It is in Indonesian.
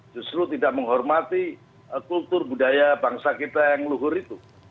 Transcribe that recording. justru tidak menghormati kultur budaya bangsa kita yang luhur itu